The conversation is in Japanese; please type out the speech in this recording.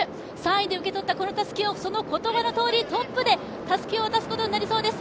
３位で受け取ったたすきをその言葉どおりトップで渡すことになりそうです。